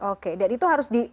oke dan itu harus di